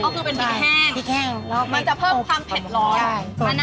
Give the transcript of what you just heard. เขาก็คือเป็นพรีกแห้ง